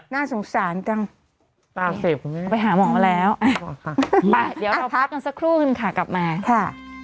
น่าสงสารจังไปหาหมอแล้วไปเดี๋ยวเราพักกันสักครู่นค่ะกลับมาค่ะ